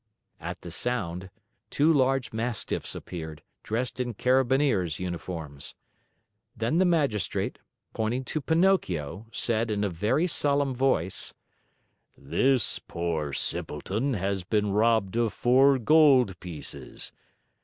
At the sound, two large Mastiffs appeared, dressed in Carabineers' uniforms. Then the magistrate, pointing to Pinocchio, said in a very solemn voice: "This poor simpleton has been robbed of four gold pieces.